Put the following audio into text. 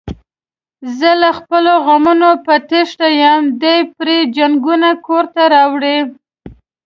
زه له خپلو غمونو په تېښته یم، دی پري جنگونه کورته راوړي.